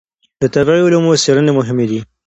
د طبعي علومو څېړنې مهمې دي.